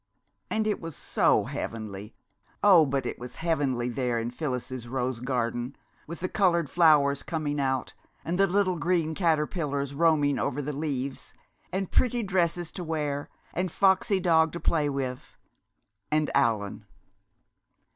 And it was so heavenly oh, but it was heavenly there in Phyllis's rose garden, with the colored flowers coming out, and the little green caterpillars roaming over the leaves, and pretty dresses to wear, and Foxy dog to play with and Allan!